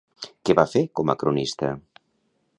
Què va fer com a cronista?